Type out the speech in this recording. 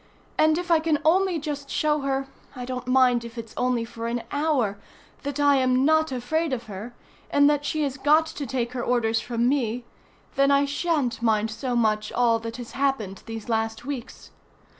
And if I can only just show her I don't mind if it's only for an hour that I am not afraid of her, and that she has got to take her orders from me, then I shan't mind so much all that has happened these last weeks.